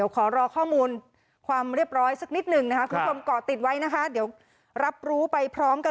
ขอรอข้อมูลความเรียบร้อยสักนิดนึงนะคะครับก็ติดไว้นะคะรับรู้ไป